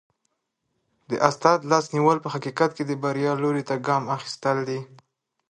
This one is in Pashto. د استاد لاس نیول په حقیقت کي د بریا لوري ته ګام اخیستل دي.